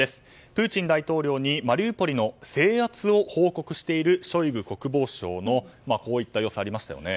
プーチン大統領にマリウポリの制圧を報告しているショイグ国防相のこういった様子ありましたよね。